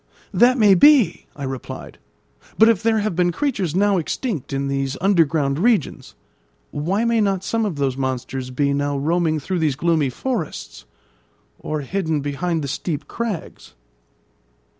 "That may be," I replied; "but if there have been creatures now extinct in these underground regions, why may not some of those monsters be now roaming through these gloomy forests, or hidden behind the steep crags?"